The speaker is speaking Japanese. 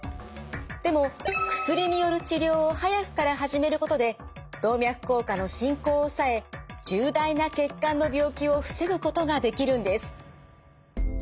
でも薬による治療を早くから始めることで動脈硬化の進行を抑え重大な血管の病気を防ぐことができるんです。